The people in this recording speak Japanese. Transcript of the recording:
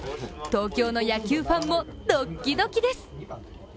東京の野球ファンもドッキドキです。